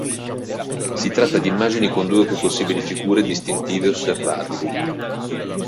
Si tratta di immagini con due o più possibili figure distinte osservabili.